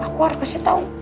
aku harus kasih tau